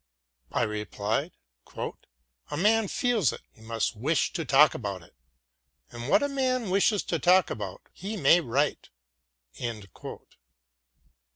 I replied: "If a man feels it, he must wish to talk about it, and what a man wishes to talk about he may write."